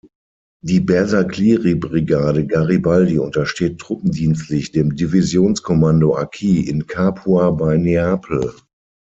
Die Bersaglieri-Brigade „Garibaldi“ untersteht truppendienstlich dem Divisionskommando "Acqui" in Capua bei Neapel.